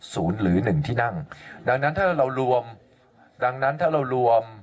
หรือหนึ่งที่นั่งดังนั้นถ้าเรารวมดังนั้นถ้าเรารวม